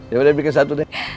ya udah bikin satu deh